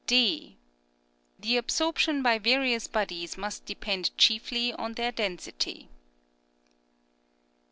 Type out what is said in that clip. (d) The absorption by various bodies must depend chiefly on their density.